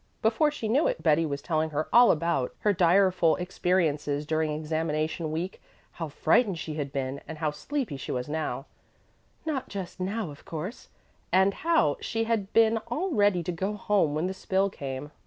Before she knew it, Betty was telling her all about her direful experiences during examination week, how frightened she had been, and how sleepy she was now, "not just now of course" and how she had been all ready to go home when the spill came.